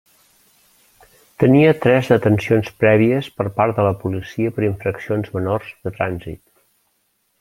Tenia tres detencions prèvies per part de la policia per infraccions menors de trànsit.